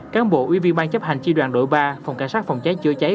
cán bộ uy viên bang chấp hành chi đoàn đội ba phòng cảnh sát phòng cháy chữa cháy